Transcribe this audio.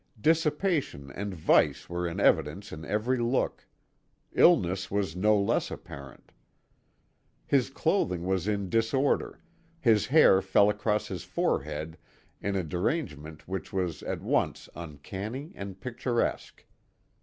Dissipation and vice were in evidence in every look; illness was no less apparent. His clothing was in disorder, his hair fell across his forehead in a derangement which was at once uncanny and picturesque.